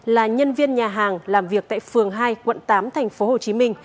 là nhân viên nhà hàng làm việc tại phường hai quận tám tp hcm